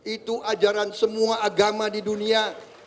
itu ajaran semua agama di dunia